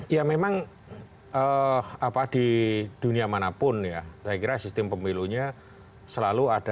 ya memang di dunia manapun ya saya kira sistem pemilunya selalu ada